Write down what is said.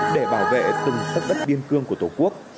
để bảo vệ từng sắc bất biên cương của tổ quốc